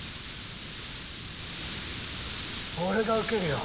俺が受けるよ。